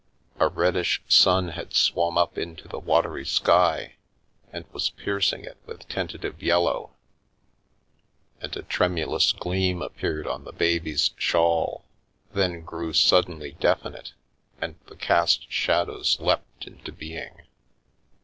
A reddish sun had swum up into the watery sky and was piercing it with tentative yellow, and a tremu lous gleam appeared on the baby's shawl, then grew suddenly definite, and the cast shadows leapt into being.